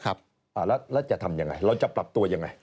แล้วจะทำยังไงเราจะปรับตัวยังไง